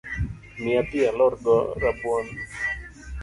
Mia pi alorgo rabuon